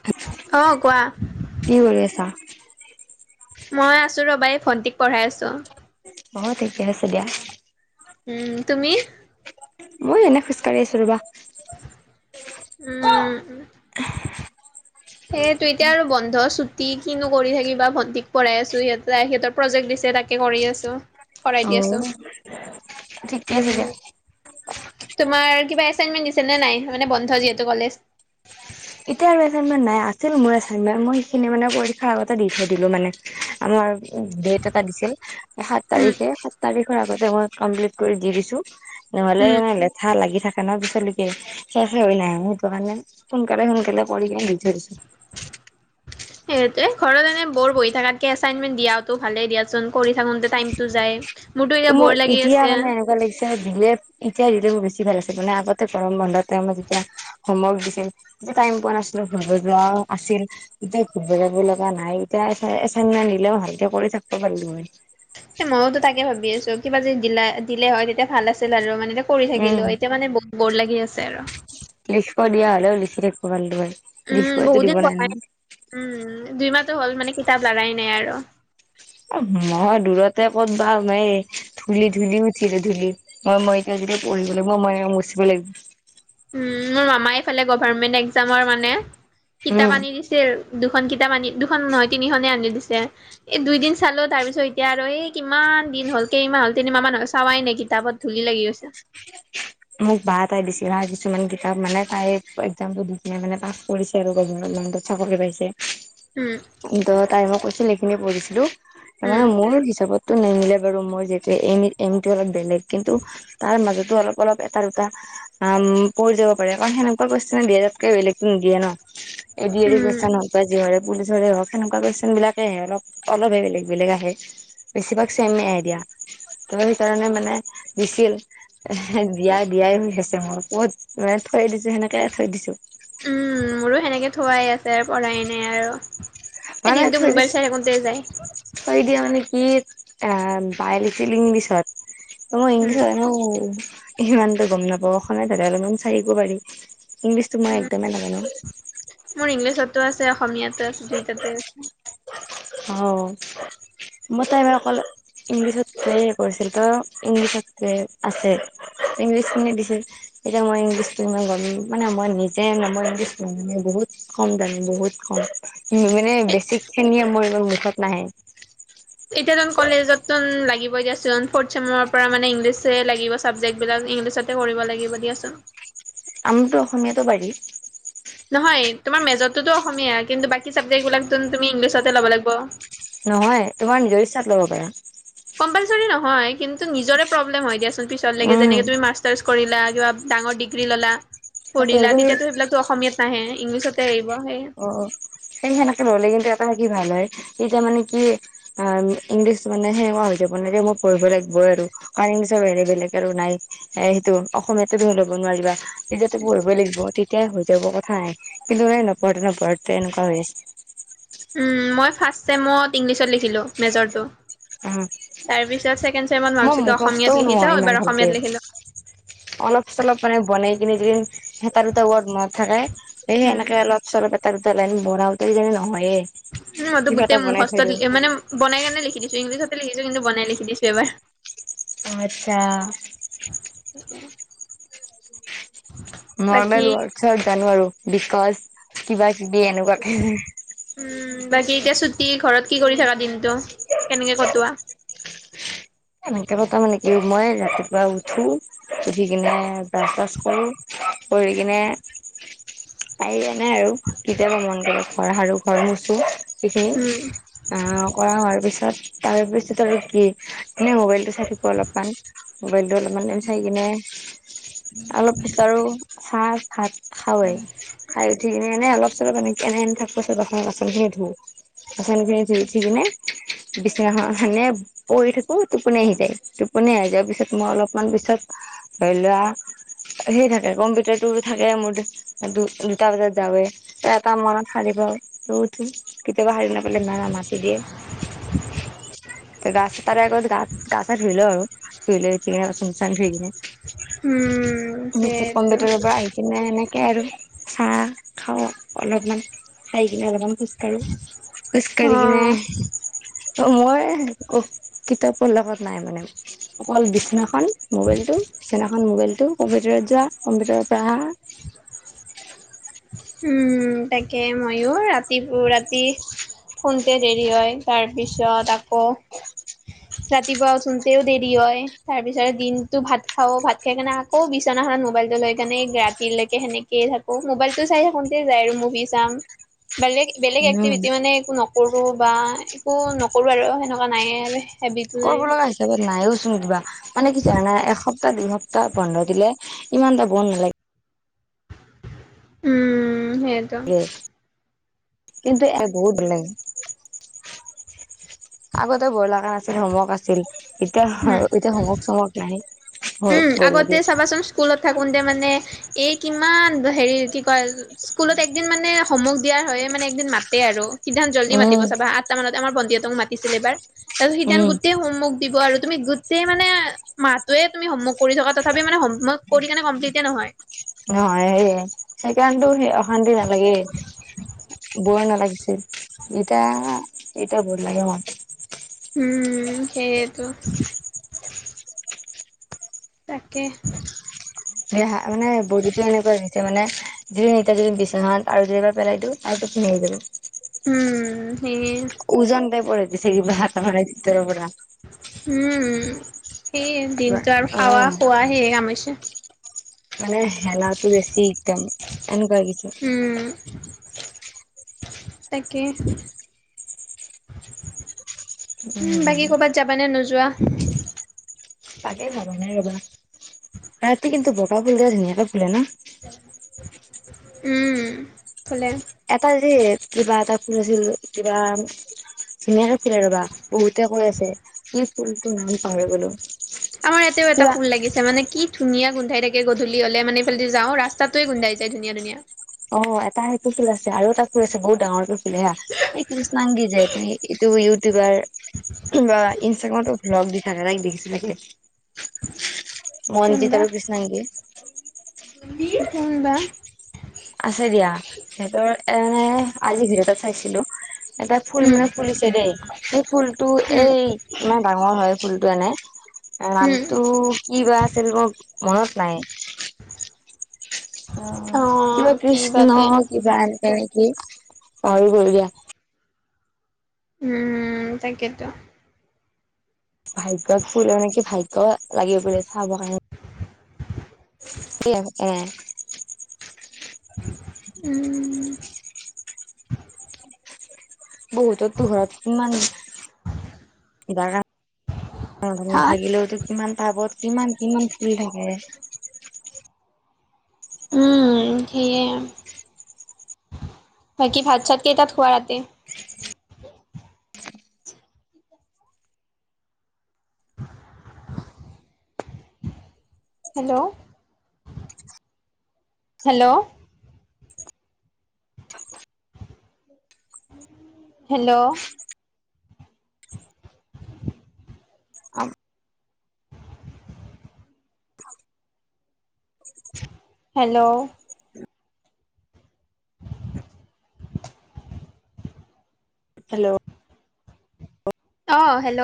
[inaudible] অ কোৱা। কি কৰি আছা? মই আছোঁ ৰবা এই ভণ্টিক পঢ়াই আছোঁ। অ ঠিকে আছে দিয়া। উম তুমি? মই এনে খোজকাঢ়ি আছোঁ ৰবা। উম। সেইটোয়ে এতিয়া আৰু বন্ধ ছুটি কিনো কৰি থাকিবা ভণ্টিক পঢ়ই আছো সিহঁতে সিহঁতৰ প্ৰজেক্ট দিছে তাকে কৰি আছো, কৰাই দি আছো। [inaudible] দিয়া। উম তোমাৰ কিবা এচাইনমেন্ট দিছে নে নাই মানে বন্ধ যিহেতু কলেজ? এতিয়া আৰু এছাইনমেণ্ট নাই আছিল মোৰ এনমেট মই সেইখিনি মানে পৰীক্ষাৰ আগতে দি থৈ দিলো মানে। আমাৰ ডেট এটা দিছিল সাত উম তাৰিখে সাত তাৰিখৰ আগতে মই কমপ্লিট কৰি দি দিছো। নহ'লে উম ইমান লেঠা লাগি থাক গাণৰ বিষয় লিকে [inaudible] সেইটো কাৰনে সোনকালে সোনকালে কৰি কিনে দি থৈ দিছোঁ। সেইটোৱে ঘৰত এনে বৰ বহি থকাতকৈ এছাইনমেণ্ট দিয়াটো ভালেই দিয়াচোন, কৰি থাকোঁতে টাইমটো যায়। মোৰতো এতিয়া মোৰ বৰ লাগি এতিয়া আছে মানে এনেকুৱা লাগিছে এতিয়া দিলে এতিয়া দিলে মোৰ বেছি ভাল আছিল, মানে আগতে গৰম বন্ধত যেতিয়া হোমৱৰ্ক দিছিল টাইম পোৱা নাছিলো, ঘৰলৈ যোৱা আছিল। এতিয়া ঘুৰব যাব লগা নাই, এতিয়া এছাইনমেণ্ট দিলেও ভালকে কৰি থাকিব পাৰলো হয়। মইয়োতো তাকে ভাবি আছো কিবা যে দিলা দিলে হয় তেতিয়া ভাল আছিল আৰু মানে এতিয়া কৰি থাকিলো উম হয় এতিয়া মানে বৰ লাগি আছে আৰু। লিখিব দিয়া হ'লেও লিখি থাকিবো পাৰলোঁ হয়। উম লিখিবতো বহুত দিব দিন পঢ়াই নাই, উম দুই মাহতো হ'ল মানে কিতাপ লাৰাই নাই আৰু। মই দূৰতে ক'তবা এই ধূলি ধূলি উঠিলো ধূলি হয় মই এতিয়া যেতিয়া পঢ়িব লাগিব মই মুচিব লাগিব। উ মোৰ মামাই এইফালে গভাৰমেট একজামৰ মানে কিতাপ উম আনি দি ছেৰ দুখন কিতাপ আনি দুখন নহয় তিনিখনে আনি দিছে। এ দুইদিন চালো তাৰ পিছত এতিয়া আৰু এই কিমান দিন হ'ল কেইমানাহ হ'ল তিনিমাহ মান হ'ল চাৱাই নাই কিতাপত। ধূলি লাগি গৈছে। মোক বা এটাই দিছিল হা কিছুমান কিতাপ মানে তাই একজামটো দি কিনে মানে পাছ কৰিছে আৰু গভাৰমেণ্টত চাকৰি পাইছে। উম। ত তাই মই কৈছিল সেইখিনি পঢ়িছিলো তাৰ উম মানে মোৰ হিচাপত টো নিমিলে বাৰু মই য এম অলপ বেলেগ কিন্তু তাৰ মাজতো অলপ অলপ এটা দুটা আম পৰি যাব পাৰে কাৰণ সেনেকুৱা কিউচনছ নে দিয়ে তাতকে বেলেগে নিদিয়ে ন। এদি য়াৰি উম কুইছেন হক বা জিহৰে পুলিচৰে হওক সেনেকুৱা কুইশন বিলাকে আহে অলপ অলপহে বেলেগ বেলেগ আহে। বেছি ভাগ ছেম এ আহে দিয়া, ত সেইকাৰণে মানে বিছিয়েল এ দিয়া দিয়াই হৈ আছে মই ক'ত মানে থৈ দিছো সেনেকে থৈ দিছো। উম মোৰো সেনেকে থোৱাই আছে আৰু পঢ়াই নাই আৰু। এই মানে দিনটো থৈ দিছ মোবাইল চাই থাকোতে যায় থৈ দিয়া মানে কি আঁহ উম [inaudible] [inaudible] ইমানটো গম নাপাওঁ, অসমীয়াত থকা হ'লে মই চাই দিব পাৰিম, ইংলিছতো মই উম, একদমেই নাজানো। মোৰ ইংলিছতো আছে অসমীয়াতো আছে দুইটাতে। অহও মই [inaudible] অকল ইংলিছ তেৰে কৰিছিল ত ইংলিছ ট্ৰে আছে, ইংলিছ খিনি দিছে। এতিয়া মই ইংলিছটো ইমান গম মানে মই নিজে [inaudible] নজনুৱে বহুত কম জানো বহুত কম, মোৰ মানে বেছিক খিনিয়ে মোৰ ইমান মুখত নাহে। এতিয়াতোন কলেজতটোন লাগিবই দিয়াচোন ফৌৰ্থ ছেমৰ পৰা মানে ইংলিছে লাগিব চাবজেক্ট বিলাক ইংলিছতে কৰিব লাগিব দিয়াচোন। আমিতো অসমীয়াতো বাৰি- নহয়, তোমাৰ মেজৰটোতো অসমীয়া কিন্তু বাকী চাবজেক্ট বিলাকটোন তুমি ইংলিছতে ল'ব লাগিব। নহয়, তোমাৰ নিজৰ ইচ্ছাত ল'ব পাৰা। কম্পালছৰি নহয়, কিন্তু নিজৰে প্ৰব্লেম হয় দিয়াচোন পিছলেকে উম যেনেকে তুমি মাক্স- ষ্টাৰচ কৰিলা, কিবা ডাঙৰ ডিগ্ৰী ল'লা, সেইটো পঢ়িলা, তুমি তেতিয়াটো সেইবিলাক- টো অসমীয়াত নাহে ইংলিছতে আহিব সেই- অ অ' সেই সেনেকে ললে কিন্তু এটা হেৰি ভাল হয়, এতিয়া মানে কি- আ ইংলিছ মানে সেনেকুৱা হৈ যাব নালাগে ময় পঢ়িব লাগিব আৰু। আৰু ইংলিছৰ বাহিৰে বেলেগ আৰু নাই, হে সেইটো অসমীয়াটো তুমি ল'ব নোৱাৰিবা। তেতিয়াতো পঢ়িবই লাগিব, তেতিয়া হৈ যাব কথা নাই। কিন্তু মানে নপঢ়োঁতে নপঢ়োঁতে এনেকুৱা হৈ আছে। উম' মই ফাৰ্ষ্ট ছেমত ইংলিছত লিখিলো মেজৰটো। অ তাৰপিছত ছেকেণ্ড ছেমত মই ভাবিছিলোঁ মুখস্থও অসমীয়াত লিখি নহয় চাওঁ ইমান এইবাৰ ভালকে অসমীয়াত লিখিলো। অলপ চলপ মানে বনাই কিনি দিদিম এটা দুটা ৱৰ্ড মনত থাকে এই উম এনেকে অলপ- চলপ এটা, দুটা লাইন বনাওঁতে কিজানি নহয়ে। উম' মইতো কিবা এটা গোটেই বনাই মুখষ্ট থৈ লি দিওঁ মানে বনাই কেনে লিখি দিছো, ইংলিছতে লিখিছো, কিন্তু বনাই লিখি দিছো এবাৰ। অঁ' আৎচ্ছা। [unintelligible] বাকী নৰ্মেল ৱৰ্ডছত জানো আৰু বিকজ কিবা- কিবি এনেকুৱাকে। উম' বাকী এতিয়া ছুটি ঘৰত কি কৰি থাকা দিনটো কেনেকে কটোৱা? কেনেকে কটোৱা মানে কি মই ৰাতিপুৱা উঠো- উঠি কিনে ব্ৰাছ চাৰাছ কৰো, কৰি কিনে- পাৰিলে এনে আৰু কেতিয়াবা মন গ'লে ঘৰ সাৰোঁ, ঘৰ মুছোঁ। সেখিনি উম আ কৰা হোৱাৰ পিছত, তাৰ পিছত আৰু কি এনে মবাইলটো চাই- থাকো অলপমান মোবাইলটো অলপমান টাইম চাই কিনে অলপ পিছত আৰু- চাহ ভাত খাওঁয়ে, খাই উঠি- কিনে অলপ চলপ [unintelligible] প্ৰথমকেদিন শুই উঠিকেনে বিছনাখন সেনে পৰি থাকো। কৌ টোপনি আহি যায়, টোপনি আহি যোৱাৰ পিছত মই অলপমান পিছত ধৰি লৱা- আহিয়ে থাকে কম্পিউটাৰটো থাকে মোৰ দু দুটা বজাত যাওঁৱে। এটা মানত সাৰে পাওঁ শুই উঠি, কেতিয়াবা সাৰে নাপালে না না মাতি দিয়ে। [unintelligible] তাৰে আগত গা চা ধুই লও আৰু উম [unintelligible] [unintelligible] সেইটো কম্পিটাৰৰ পৰা আহি- কিনে এনেকে আৰু চাহ খাওঁ অলপমান, খাই কিনে অলপমান খুজ- কাঢ়ো, অ খোজকাঢ়ি কিনে, অ মই- কিতাপৰ লগত নাই মানে, অকল বিছনাখন মোবাইলটো বিছনাখন মোবাইলটো- কম্পিউটাৰত যোৱা কম্পিউটাৰৰ পৰা অহা। উম'‌ তাকে ময়ো ৰাতিটো ৰাতি- শুঁনতে দেৰি হয়, তাৰপিছত আকৌ, - ৰাতিপুৱা উঠোনতেও দেৰি হয়, তাৰ পিছতে দিনতো ভাত খাওঁ, ভাত খাই কেনে আ- কৌ বিচনাখনত মোবাইলটো লৈ কেনে ৰাতিলৈকে সেনেকেই থাকো, মোবাইল- টো চাই থাকোতেই যায় আৰু মুভি চাম, বেলেগ বেলেগ উম এক্টিভিটি মানে একো নক- কৰো বা একো নকৰো আৰু সেনেকুৱা নায়ে আৰু। হেবিটো নাই কৰব লগা হিছ- ছাপত নাইওচোন কিবা, মানে কি জানা এসপ্তাহ -দুইসপ্তাহ বন্ধ দিলে ইমান এটা গোন্ধ নোলায়। উম, সেইটো কিন্তু ইয়াত বহুত বেলেগ। আগতে ভয় লগা নাছিল হ'মৱৰ্ক আছিল, এতিয়া উম হ-হ'মৱৰ্ক -চমৱৰ্ক নাই উম, বৰ আগতে লাগে চাবাচোন স্কুলত থাকোতে মানে, এই কিমান হেৰি কি কয় স্কুলত একদিন মানে হ'মৱৰ্ক দিয়াৰ হয়ে মানে একদিন মাতে আৰু। সিদিনাখন জল্দি মাতিব উম চাবা আঠতা মানত, আমাৰ ভন্টী হতক মাতিছিল‌ এবাৰ। তাৰপিছত সেইদিনাখন উম গোটেই হোমৱৰ্ক দিব আৰু তুমি গোটেই মানে মাহতোৱে তুমি হমৱৰ্ক কৰি থকা, তথাপি মানে হোমৱৰ্ক কৰি কেনে কমপ্লিতে নহয়। অ', এ সেয়ে, এই সেইকাৰনেতো সে অশান্তি নালাগে। বৰ নালাগিছিল এতিয়া, এতিয়া বৰ লাগে মোৰ। উম, সেয়েতো। তাকে। [unintelligible] মানে বদিতো এনেকুৱা হৈ গৈছে মানে [unintelligible] এতিয়া যদি বিচনাত আৰু দুবাৰ পেলাই দিওঁ আৰু টোপনি আহি যাব। উম, সেইয়ে। ওজন টাইপৰ হৈ গৈছে কিবা তাৰমানে ভিতৰৰ পৰা। উম, সেইয়ে, দিনটো আৰু খোৱা অ' শুৱা সেয়ে কাম হৈছে। মানে হেলাটো বেছি একদম, এনেকুৱা হৈ গৈছে। উম। তাকে। উম, বাকী কৰ'বাত যাবা নে নোযোৱা? তাকে ভাবা নাই ৰ'বা, ৰাতি কিন্তু বগা ফুল কেইটা ধুনীয়াকে ফুলে ন? উম, ফুলে। এটা যে, কিবা এটা ফুল আছিল, কিবা ধুনীয়াকে ফুলে ৰ'বা বহুতে কৈ আছে, কি ফুলটোৰ নাম পাহৰি গ'লো। আমাৰ ইয়াতেও এটা কিবা ফুল লাগিছে মানে কি ধুনীয়া গোন্ধাই থাকে গধূলি হলে, মানে এইফালদি যাওঁ ৰাস্তাটোৱে গোন্ধাই যায় ধুনীয়া ধুনীয়া। অ', এটা সেইটো ফুল আছে আৰু এটা ফুল আছে বহুত ডাঙৰকে ফুল হা। এই কৃষ্ণাংগী যে তুমি এইটো ইউটিউবাৰ বা ইনষ্টাগ্ৰামতো ভ্লগ দি থাকে তাইক দেখিছা চাগে। মনজিত আৰু কৃষ্ণাংগী। কোন বা? আছে দিয়া, সিহঁতৰ এ মানে আজি ভিডিঅ' এটাত চাইছিলো এটা ফুল উম মানে ফুলিছে দেই এই ফুলতটো উম এই মানে ডাঙৰ হয় ফুলটো এনে উম নামটো কি বা আছিল, মোৰ মনত নাই। অ', কিবা কি কৃষ্ণ বাতে কিবা এনেকে নেকি পাহৰি গ'লো দিয়া। উম, তাকেইতো। ভাগ্য ফুলে নেকি, ভাগ্য লাগিব বুলে চাব কাৰণে। [unintelligible] উম। বহুতৰটো ঘৰত কিমান কিবা কাৰ না ভাত নাথাকিলেওতো কিমান টাবত কিমান-কিমান ফুলি থাকে। উম, সেইে, বাকি ভাত চাত কেইটাত খোৱা ৰাতি? [inaudible] Hello, hello, hello, [inaudible] [inaudible] hello, hello, অ, হেল্ল,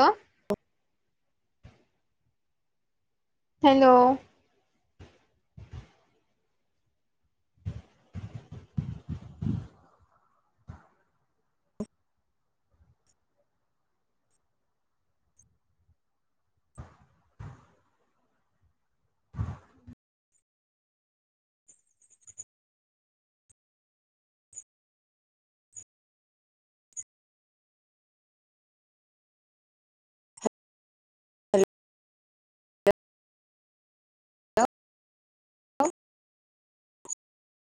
হেল্ল, [inaudible] [inaudible]